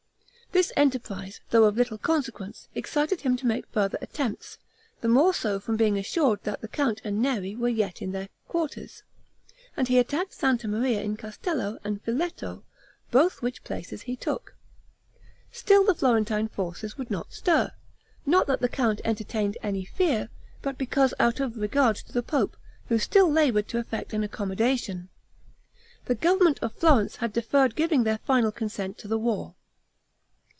This enterprise, though of little consequence, excited him to make further attempts, the more so from being assured that the count and Neri were yet in their quarters, and he attacked Santa Maria in Castello and Filetto, both which places he took. Still the Florentine forces would not stir; not that the count entertained any fear, but because, out of regard to the pope, who still labored to effect an accommodation, the government of Florence had deferred giving their final consent to the war.